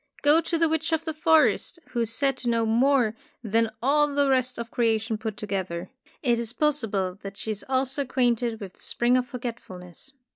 Go to the witch of the forest, who is said to know more than all the rest of creation put together. It is possi ble that she is also acquainted with the Spring of Forgetfulness.